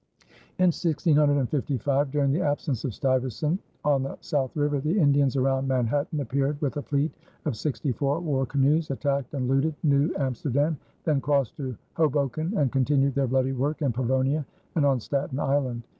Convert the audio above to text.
In 1655, during the absence of Stuyvesant on the South River, the Indians around Manhattan appeared with a fleet of sixty four war canoes, attacked and looted New Amsterdam, then crossed to Hoboken and continued their bloody work in Pavonia and on Staten Island.